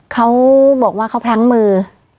เขาบอกว่าเขาพลั้งมือ